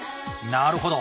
なるほど。